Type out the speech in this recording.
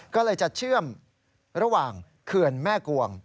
ก็เลยจะเชื่อมระหว่างเขื่อนแม่กวง